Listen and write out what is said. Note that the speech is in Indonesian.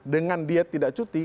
dengan dia tidak cuti